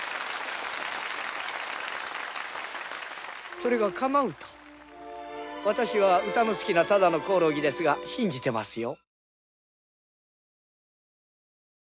それが、かなうと私は歌の好きなただのコオロギですが信じていますよ。